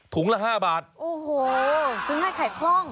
ละ๕บาทโอ้โหซื้อง่ายขายคล่อง